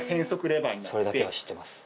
それだけは知ってます。